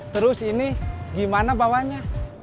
terus ini gimana bawanya